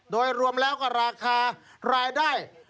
โดยรวมแล้วก็ราคารายได้